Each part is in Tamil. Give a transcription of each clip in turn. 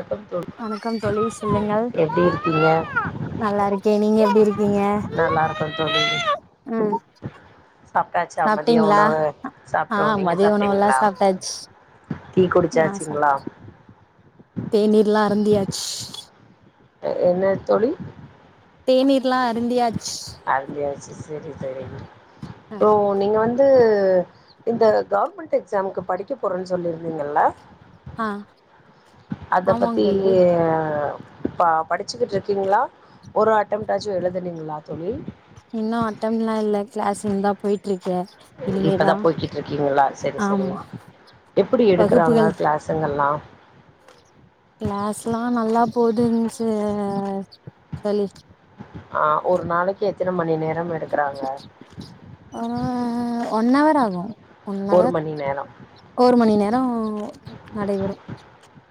வணக்கம் தோழி வணக்கம் தோழி சொல்லுங்கள் எப்டி இருக்கீங்க நல்லா இருக்கே நீங்க எப்டி இருக்கீங்க நல்லா இருக்கோ தோழி ம் சாப்ட்டாச்சா மதிய சாப்ட்டீங்களா உணவு ஆ சாப்ட்டோம் நீங்க மதிய உணவெல்லா சாப்ட்டிங்களா சாப்ட்டாச்சு டீ நா சாப் குடிச்சாச்சிங்களா அருந்தியாச் என்ன தோழி தேநீர்ல்லா அருந்தியா அருந்தியாச்சி சரி சரிங்க ஆ ஓ நீங்க வந்து இது இந்த கவர்மெண்ட் எக்ஸாமுக்கு படிக்க போறேன்னு சொல்லிருந்தீங்கல்ல ஆஹ் அத பத்தி அ ப படிச்சுக்கிட்டு இருக்கீங்களா ஒரு அட்டம்டாச்சும் எழுதுனீங்களா தோழி இன்னு அட்டம்லா இல்ல க்ளஸ்சிங்தா போய்ட்ருக்க இப்பதா போய்கிட்டு இருக்கீங்ளா சரி சரி ஆமா எப்படி எடுக்குறாங்க வகுப்புகள் க்ளசுங்கல்லா போதுன்சு சளி ஆ ஒரு நாளைக்கு எத் எத்தன மணி நே அ ஒன்னவர் ஆகு ஒரு ஒன்னவர் மணி நேரம் ஒரு மணி நே ரோ நடைபெறு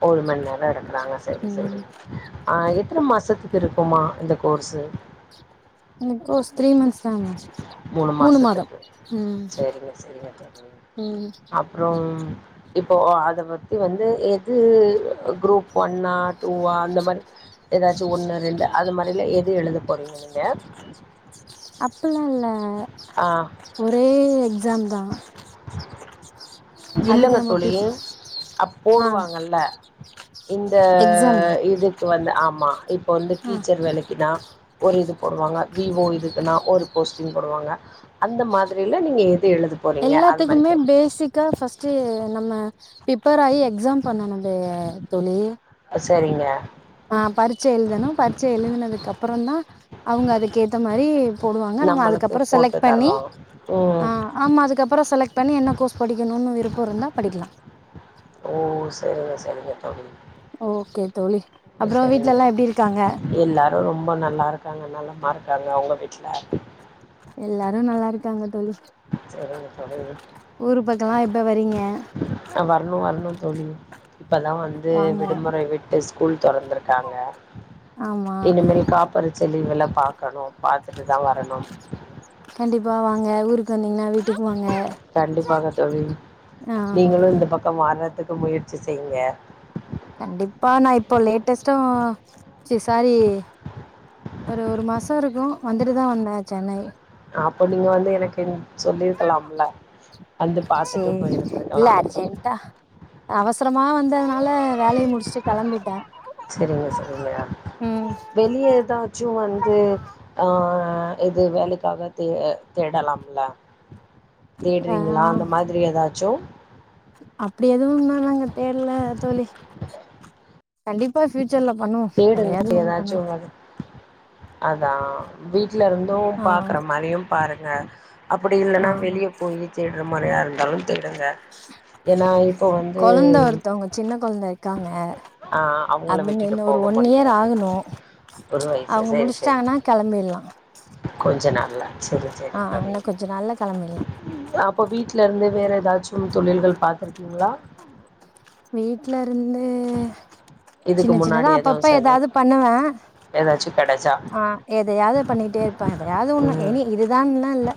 ஒரு மணி நேரோ எடுக்கறாங்க சரி சரி ம் ஆ எத்தன மாசத்துக்கு இருக் ப்பமா இந்த கோர்சு இந்தகோஸ் த்ரீ மந்த்ஸ் தாங்க மூணு மாதம் மாசத்துக்கு ம் செரிங்க செரிங்க தோழி ம் அப்றம் இப்போ அத பத்தி வந்து எது குரூப் ஒன்னா டூவா அந்த மாரி எதாச்சு ஒண்ணு ரெண்டு அது மாரில எது எழுத போறிங்க நீங் க அப்பில்லா இல்ல ஒரே எக்ஸாம்தா இல்லங்க தோழி அ ஆ போடுவாங்கல்ல இந்த எக்ஸாம் இதுக்கு வந்து ஆமா இப்ப வந்து ஆ டீச்சர் வேலைக்குனா ஒரு இது போடுவாங்க வி வோ இதுக்குன்னா ஒரு போஸ்டிங் போடுவாங்க அந்த மாதிரில நீங்க எ எல்லாத்துக்குமே பேசிக்கா ஃபஸ்ட் டு நம்ம ப்ரிப்பேர் ஆயி எக்ஸாம் பண்ணனுங்க தோழி செரிங்க ஆ பரிட்சை எழுதணு பரிட்சை எழுதினதுக்கு அப்புறந்தா அவங்க அதுக்கு ஏத்த மாரி போடுவாங்க நம்ம நம்மளுக்கு அதுக்கப்பற போட்டு செலக்ட் பண்ணி தருவாங்க ம் ஆ ஆமா அதுக்கப்பற செலக் பண்ணி என்ன கோர்ஸ் படிக்கணுனு விருப்ப இருந்தா படிக்கலா ஓ சரிங்க சரிங்க தோழி ஓகே தோழி அப்புறோ வீட்ல செரிங்க எல்லா எப்டி இருக்காங்க எல்லாரு ரொம்ப நல்லாருக்காங்க நலமாருக் காங்க உங்க வீட்ல எல்லாரு நல்லாருக்காங்க தோழி செரிங்க தோழி ஊரு பக்கல்லா எப்ப வரீங்க ஆ வரணு வரணு தோழி இப்பதா வந்து வாங்க விடுமுறை விட்டு ஸ்கூல் தொறந்துருக்காங்க ஆமா இனிமேல் காப்பரிச்ச லீவெலா பாக்கணு பாத்துட்டுதா வரணும் கண்டிப்பா வாங்க ஊருக்கு வந்தி கண்டிப்பாக தோழி ஆ நீங்களு இந்த பக்க வாரத்துக் முயற்சி செய்ங்க கண்டிப்பா நா இப்ப லேட்டஸ்ட்டா ச சாரி ஒரு ஒரு மாச இருக்கு வந்துட்டுதா வந்த சென்னை அப்ப நீங்க வந்து எனக்கு சொல்லிருக்கலாம்ல வந்து பாத்துட்டு சேரி இல்ல போயிருந்திருக்கலா அர்ஜென்ட்டா அவசரமா வந் தனால செரிங்க செரிங்க ம் வெளிய எதாச்சு வந்து ஆ ஆ எது வேலைக்காகது தேடலாமல்ல ஆ தேடுறிங்ளா அந்த மாதிரி எதாச்சு அப்டி எதுவு இன்ன நாங்க தேடுல தோழி கண்டிப்பா ச்சல்ல பண்ணுவோ எதையாது ஒண்ணு பண்லா அதா வீட் வீட்ல இருந்தும் ஆ பாக்குற மாரியு பாருங்க அப்டி ஆ இல்லன்னா வெளியே போயி தேட ற மாரியா இருந்தாலு தேடுங்க ஏனா இப்போ வந்து கொழந்த ஒருத்தவங்க சின்ன கொழந்த இருக்காங்க ஆ அவங்கள அதுங்க விட்டுட்டு இன்னும் போக ஒன் இயர் முடியாது ஆகணு ஒரு வயசு அவங்க சேரி சேரி முடிச்சிட்டாங்கன்னா கெளம்பில்லா கொஞ்ச நாள்ல செரி செரிங் தமி இன்னும் கொஞ்சம் நாள்ல கிளம்பிடலாம் அப்ப வீட்டு வீட்ல இருந்து வேற ஏதாச்சு தொழில்கள் பாத்துருக்கீங்களா வீட்ல இருந்து இதுக்கு சின்ன சின்னதா முன்னாடி எதுவும் அப்பப்ப செய்யல எதாவது பண்ணுவே ஏதாச்சும் கெடச்சா அ எதையாவது பண்ணிட்டே இருப்பே எப்பயாவது ஒண்ணு ம் ஏனி இதுதான்லா இல்ல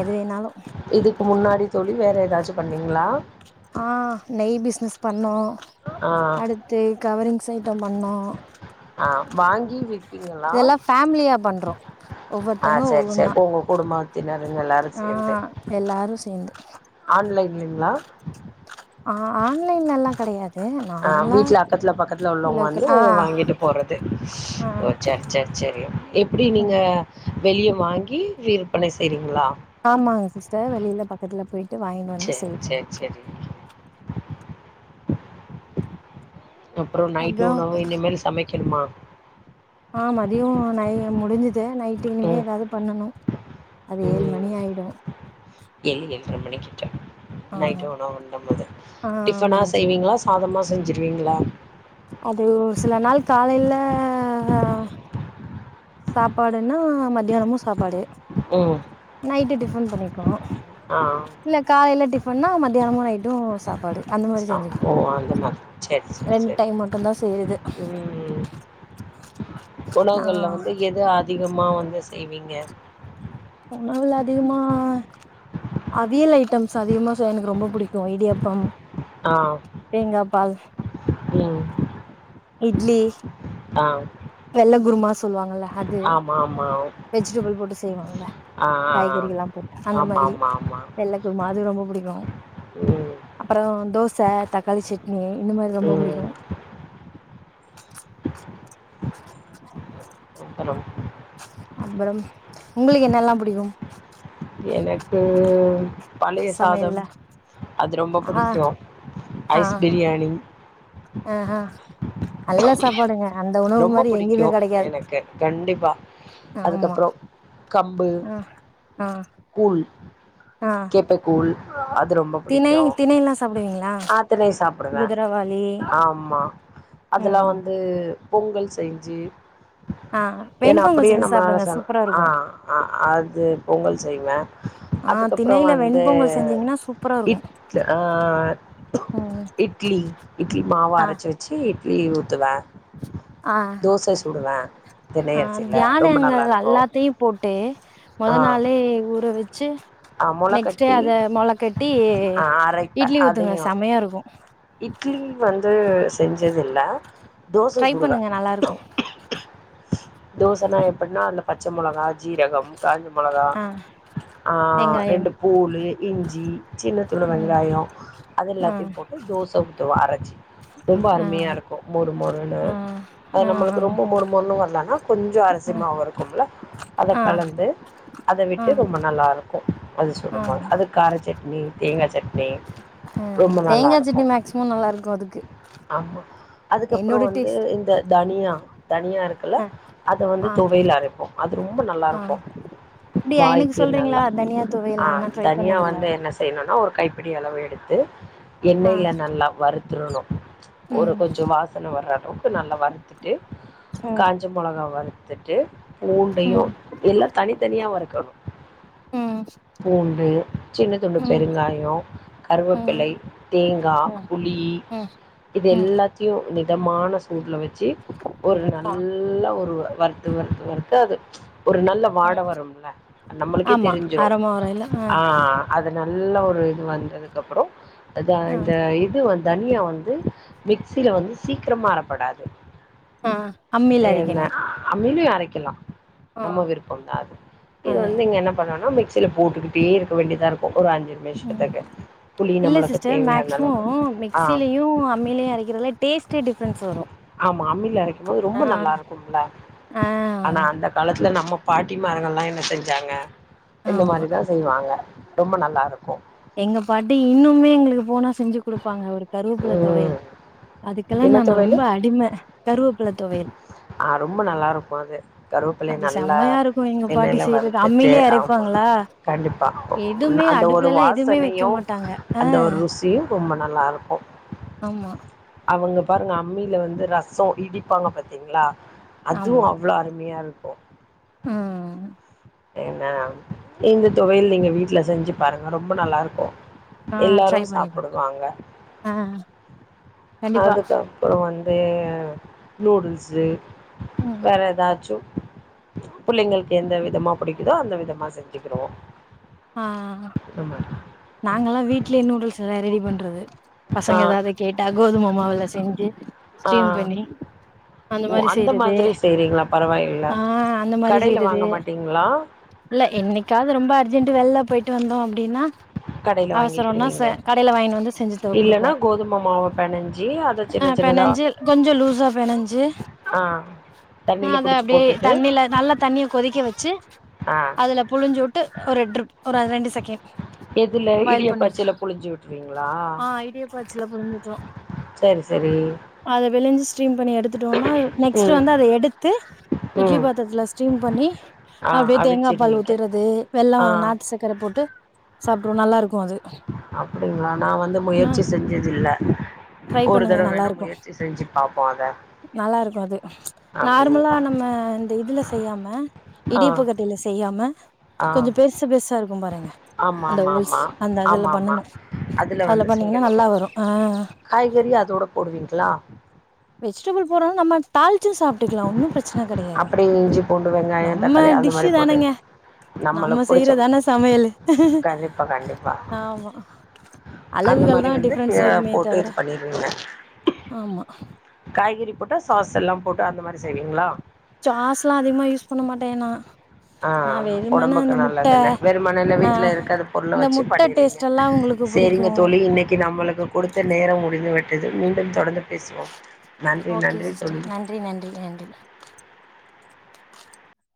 எது வேணாலு இதுக்கு முன்னாடி தோழி வேற ஏதாச்சு பண்ணிங்ளா ஆ நெய் பிசினஸ் பண்ணோ ஆ அடுத்து கவரிங் ஸ்வீட்டு பண்ணோ ஆ வாங்கி விப் இதெல்லா ஃபேமிலியா பண்றோ ஆ ஒவ்வொருத்தவங்க சரி சரி ஒவ்வொன்னா உங்க குடும்பத்தினருங்க எல்லாரு சேர்ந்து ஆ எல்லாரு சேந்து இல்லைங்ளா ஆ ஆன்லைனெல்லா கெடையாது அ வீட்ல அக்கத்துல பக்கத்துல உள்ளவங்க வந்து லோக்கல் ஆ வாங்கிட்டு போறது ஆ ஓ செர் செர் செரி எப்படி ம் நீங்க வெளிய வாங்கி விற்பனை செய்றிங் ஆமாங்க சிஸ்டர் வெளியில பக்கத்துல போயிட்டு வாங்கிட்டு வந்து சரி சேல் பண்ணு சரி சரி அப்புற நைட்டு அப்றோ உணவு இனிமேல் சமைக் கனுமா ஆ மதியோ நை முடிஞ்சுது நைட்டு இனிமே ம் எதாது பண்ணனு அது ஏழு மணி ம் ஆயிடு ஏழு எட்டரை மணிக்கிட்ட ஆ நைட் உணவு உண்டும்போது ஆ டிஃபன்னா முடிஞ்சு செய்வீங்ளா சாதமா செஞ்சுருவிங்களா அபோ சில நாள் காலைல சாப்பாடுன்னா மத்தியானமும் சாப்பாடு ம் நைட்டு டிஃபன் பண்ணிக்கு ஆ இல்ல காலைல டிஃப் பண்ணா மதியானமு நைட்டு சாப் ஓ அந்த மாரி செர் செர் ரெண்டு செர் டைம் மட்டுந்தா செய்றது ம் நா உணவுகள்ல வந்து எது அ திகமா வந்து செய்விங்க உணவுல அதிகமா அவியல் ஐட்டம்ஸ் அதிகமா செய்ய எனக்கு ரொம்ப புடிக் கு இடியப்பம் ஆ தேங்கா பால் ம் இட்லி ஆ வெள்ள குருமா சொல்வாங்கல்ல அது ஆமா ஆமா வெஜிடபிள் போட்டு செய்வாங்கல்ல ஆ ஆ காய்கறி எல்லா போட்டு ஆ அந்த ஆமா மாரி ஆமா ஆமா வெள்ள குருமா அது ரொம்ப புடிக்கு ம் அப்பற தோச தக்காளி சட்னி இந்த மாரி ரொம்ப ம் புடிக்கு அப்புறம் அப்பற உங்களுக்கு என்னல்லா புடிக்கும் எனக்கு பழைய சாதம் சமையல்ல அது ரொம்ப ஆ பிடிக்கு ஆ ஐஸ் பிரியாணி ஆ ஆ நல்ல சாப்பாடுங்க அந்த உணவு ரொம்ப மாரி புடிக்கு எங்கேயுமே கெடைக்காது எனக்கு கண்டிப்பா ஆமா அதுக்கப்பற கம்பு ஆ ஆ கூழ் ஆ கேப்பைக்கூழ் அது ரொம்ப திணை பிடிக்கு திணைல்லா சாப்டுவீங்களா ஆ தினை சாப்பிடுவே குதிரவாளி ஆமா அதுல்ல ம் வந்து பொங்கல் செஞ்சு ஆ ஏன்னா வெண்பொங்கல் அப்படியே செஞ்சு நம்மனால சாப்டுங்க சா சூப்பரா ஆ இருக்கு அ அது பொங்கல் செய்வே ஆ அதுக்கப்புற திணையில வந்து வெண்பொங்கல் செஞ்சீங்கன்னா சூப்பரா இருக்கு இட் ஆ ம் இட்லி இட்லி மாவ அரைச்சு வெச்சு இட்லி ஊத்துவ அ தினை ஆ அரிசில ரொம்ப நல்லா தியானியங்கள் இருக்கு எல்லாத்தையு போட்டு மொத நாளே ஊற வெச்சு திங்ஸ் அ மொளகட்டி ஆ அரைப்பே இட்லி ஊத்துங்க அதையூ செமையா இருக்கு இட்லி வந்து செஞ்சதில்ல தோச ட்ரை பண்ணுங்க நல்லாருக்கூ தோசனா எப்டின்னா அதுல பச்ச மொளகா ஜீரகம் காஞ்ச மொளகா ஆ ஆ வெங்காயம் ரெண்டு பூளு இஞ்சி சின்ன தூளு ம் வெங்காயோ அது ஆ எல்லாத்தையு போட்டு தோச ஊத்த ஒ அரச்சி ரொம்ப ஆ அருமையாருக்கூ மொறு மொறுனு ஆ அது ஆ ஆ நம்மளுக்கு ரொம்ப மொறு மொறுனு வரலன்னா கொஞ்சோ ஆ அரிசிமாவு இருக்கும்ல அத ஆ கலந்து அத ஆ விட்டு ரொம்ப நல்லார் [inaudible] அது ஆ சுடுமோ அது கார சட்னி தேங்கா சட்னி ஆ ரொம்ப தேங்கா நல்லாருக்கூ சட்னி மேக்சிமம் நல்லா இருக்கு அதுக்கு ஆமா அதுக்கப்றோ என்னோட வந்து டேஸ்ட் இந்த தனியா தனியாக இருக்குல்ல ஆ அத வந்து ஆ துவையல் அரைப்போ அது ரொம்ப ஆ நல்லாருக்கூ அப்டியா எனக்கு வாய்க்கு சொல்றீங்களா நல்லா தனியா ஆ துவையலா நா ட்ரை தனியா பண்ணதில்ல வந்து என்ன செய்யணுனா ஒரு கைப்பிடி அளவு எடுத்து ஆ எண்ணெயில நல்லா வறு த்துரணூ ஒரு ம் கொஞ்சோ வாசன வர்ற ரொக்கு நல்லா வ த்துட்டு ம் காஞ்ச மொளகா வறு துட்டு பூண்டையூ ம் எல்லா தனித்தனியா வறுக்கணூ ம் ம் பூண்டு சின்ன துண்டு பெருங்காயோ ம் கருவேப்பிலை தேங்கா ம் புளி ம் இது ம் எல்லாத்தியூ மிதமான ஸ் சூடுல வச்சு ஒரு ஆ நல்ல ஒரு வறுத்து வறுத்து வறுத்து அது ஒரு நல்ல வாட ம் வரும்ல நம்மளுக்கேத் ஆமா தெரிஞ்சிரூ அரமா வரையில ஆ அது நல்ல ஒரு இது வந்ததுக்கப்றோ அதா ஆ இந்த இது வந் தனியா வந்து மிக்சில வந்து சீக்கிரமா அரபடாது ஆ அம்மில அரைக்கணூ கடைக்கலாம் நம்ம விருப்பம் தான் அது இது அது வந்து இங்க என்ன பண்ணன மிக்சியில போட்டுக்கிட்டே இரு க்க வேண்டியதாயிருக்கும் ஒரு அஞ்சு ம் நிமிஷத்துக்கு புளி இல்ல நம்மளுக்கு சிஸ்டர் தேவையான அளவுக்கு மேக்சிமம் ஆஹ் மிக்சிலயு அம்மிலயு அரைக்கிறதுல டேஸ்ட்டே டிஃப்ரென்ஸ் வரு ஆமா அம்மியில அரைக்கும்போது ஆ ரொம்ப நல்லா இருக்கும்ல ஆ ஆனா அந்த காலத்துல நம்ம பாட்டிமாரங்க எல்லா என்ன செஞ்சாங்க இந்த ஆமா மாரிதான் செய்வாங்க ரொம்ப நல்லா இருக்கும் எங்க பாட்டி இன்னுமே எங்களுக்கு போனா செஞ்சு கொடுப்பாங்க அவர் கருவேப்பல ம் தொவையல் அதுக்கெல்லாம் என்ன நான் துவையல் ரொம்ப அடிமை கருவேப்பல தொவையல் ஆ ரொம்ப நல்லாயிருக்கும் அது கருவேப்பிலைய அது நல்லா செம்மையா இருக்கும் எங்க பாட்டி எண்ணெயில் செய்றது வறுத்துட்டு அம்மியிலே ஆமாம் அரைப்பாங்களா எதுவுமே அடுப்புல எல்லா சனையும் அந்த ஒரு ருசி ரொம்ப நல்லாயிருக்கும். ஆமா. அவுங்க பாருங்க அம்மியில வந்து ரசோ இடிப்பாங்க பாத்தீங்களா. அதுவும் அவ்ளோ அருமையா இருக் கும் உஹம். என்ன இந்த தொவையில் நீங்க வீட்டுல செஞ்சு பாருங்க ரொம்ப நல்லா இருக்கும். ஆ ட்ரை எல்லாரும் பண்ணி பாருங்க சாப்டுவாங்க. ஆ கண்டிப்பா அதுக்கப்புறம் வந்து. அது நூடுல்ஸு. ம். வேற எதாச்சும். பிள்ளைங்களுக்கு எந்த விதமா. பிடிக்குதோ அந்த விதமா செஞ்சுக்கிருவோம். ஆமா. நாங்க எல்லாம் வீடலேயே நூடுல்ஸ் எல்லாம் ரெடி பண்றது. பசங்க ஆ எதாவது கேட்டா கோதுமை மாவுல செ ஞ்சு. ஆ ஸ்டிரீம் பண்ணி. அந்த ஓ மாரி செய்யறது. மாதிரி செய்றீங்களா பரவாயில்ல ஆஹ் அந்த மாரி கடையில செய்யறது. வாங்க மாட்டீங்களா இல்ல என்னைக்காவது ரொம்ப அர்ஜென்ட் வெளில்ல போயிட்டு வந்தோம். அப்படின்னா. கடையில அவசரம்னா வாங்கிக்கிருவீங்க ச கடையில வாங்கினு வந்து செஞ்சு த இல்லன்னா கொடுப்போம். கோதும மாவ பெனஞ்சி அத சின்ன அஹ் சின்னதா பனஞ்சு கொஞ்சம் லூஸா பனஞ்சு ஆ ஆஹ் தண்ணில அத புடிச்சு அப்படியே போட்டுட்டு தண்ணில நல்ல தண்ணிய கொதிக்க வச்சு ஆ அதுல புழிஞ்சுட்டு ஒரு ட்ரிப் ஒரு ரெண்டு செகண்ட். எதுல பாயில் இடியாப்ப பண்ணிரு அச்சுல புழிஞ்சு விட்டுவீங்களா ஆ இடியாப்ப அச்சுல புழிஞ்சு விட்ருவோ சரி சரி. Lens stream. பண்ணி எடுத்துட்டோம்னா நெக்ஸ்ட் ம் வந்து அத எடுத்து. இட்லி ம் பாத்திரத்துல ஸ்டீம் பண்ணி ஆ அப்படியே தேங்காய் பால் அவிச்சிருவீங்க ஊத்துறது வெள்ளம் ஆ நாட்டு சக்கரப்போட். பொட்டு சாப்ட்றுவோ நல்லாருக் கு அது அப்டிங்களா நா வந்து ந முயற்சி செஞ்சதில்ல ட்ரை ஒரு பண்ணுங்க தடவ வேணா நல்லாருக்கு முயற்சி செஞ்சு பாப்போ அத நல்லாருக்கு அது நார்மலா அப்டிங்களா நம்ம இந்த இதுல செய்யாம ஆ இடியப்பகட்டைல செய்யாம ஆ கொஞ்சொ பெருசு பெருசா இருக்கு பாருங்க ஆமா அந்த ஓல்ஸ் ஆமா அந்த அதுல ஆமா பண்ணனு அதுல வந்து பண்ணீங்கன்னா செய்யணு நல்லா வரு ஆ காய்கறி அதோட போடுவிங்ளா வெஜிடபிள் போட்றது நம்ம தாள்ச்சு சாப்டுக்லா ஒன்னு பிரச்ன கெடையாது அப்படியே இஞ்சி பூண்டு வெங்காயம் நம்ம தக்காளி அந்த டிஷ்ஷு மாரி போட்டு தானேங்க நம்ம நம்மளுக்கு புடிச்ச செய்றதானே சமையலு கண்டிப்பா கண்டிப்பா ஆமா அந்த அளவுகள் மாரி தா வந்து டிஃப்ரன்ஸ் அ வருமே போட்டு தவர இது பண்ணிருவீங்க ஆமா காய்கறி போட்டா சாஸ் எல்லா போட் டு அந்த மாரி செய்விங்ளா சாஸ்லா அதிகமா யூஸ் பண்ண மாட்டே நா நா ஆஹ் வெறுமன ஒடம்புக்கு இந்த முட்ட நல்லதுன்னு வெறுமன ந ஆ வீட்ல இருக்கத பொருள இந்த வச்சு முட்ட பண்ணிர்விங்க டேஸ்ட் எல்லா உங்களுக்கு புடிக்கு செரிங்க தோழி இன்னைக்கு நம்மளுக்கு குடுத்த நேரோ முடிந்து விட் இது மீண்டும் தொடந்து பேசுவோ நன்றி ஓகே நன்றி தோழி சிஸ்டர் நன்றி [unintelligible]